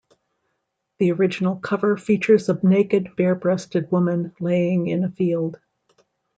The original cover features a naked, bare-breasted woman laying in a field.